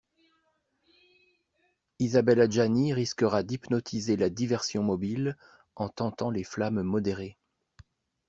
Isabelle Adjani risquera d'hypnotiser la diversion mobile en tentant les flammes modérées.